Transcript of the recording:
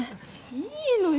いいのよ。